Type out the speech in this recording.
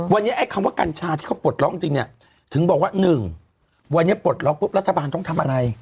วันนี้ไอ้คำว่ากัญชาที่เขาปลดล็อกจริงเนี่ยถึงบอกว่า๑วันนี้ปลดล็อกปุ๊บรัฐบาลต้องทำอะไร